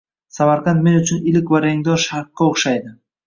Samarqand men uchun iliq va rangdor Sharqqa o‘xshaydi.